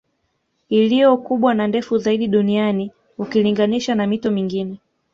Iliyo kubwa na ndefu zaidi duniani ukilinganisha na mito mingine